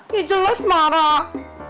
ya jelas marah